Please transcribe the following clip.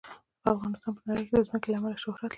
افغانستان په نړۍ کې د ځمکه له امله شهرت لري.